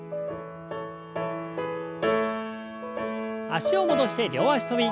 脚を戻して両脚跳び。